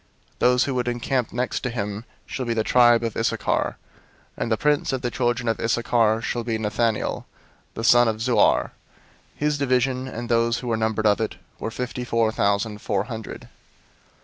002:005 Those who encamp next to him shall be the tribe of Issachar: and the prince of the children of Issachar shall be Nethanel the son of Zuar. 002:006 His division, and those who were numbered of it, were fifty four thousand four hundred.